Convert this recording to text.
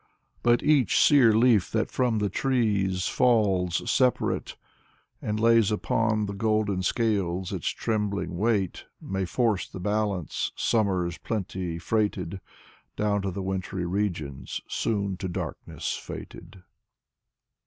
But each sere leaf that from the trees falls, separate, And lays upon the golden scales its trembling weight May force the balance Summer's plenty freighted Down to the wintry regions soon to darkness fated.